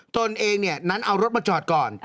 ตนเองนั้นเอารถมาจอดก่อน